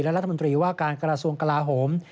และรัฐมนตรีว่าการกระทรวงกลาโหม